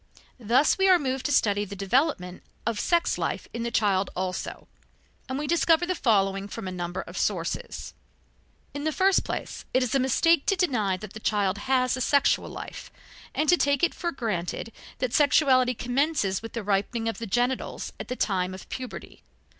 Thus we are moved to study the development of sex life in the child also, and we discover the following from a number of sources: In the first place, it is a mistake to deny that the child has a sexual life, and to take it for granted that sexuality commences with the ripening of the genitals at the time of puberty.